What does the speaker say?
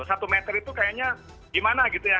satu meter itu kayaknya gimana gitu ya